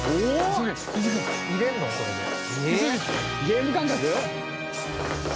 「ゲーム感覚？」